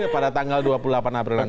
pada tanggal dua puluh delapan april nanti